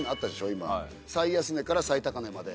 今最安値から最高値まで。